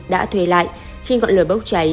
đã thuê lại khi ngọn lửa bốc cháy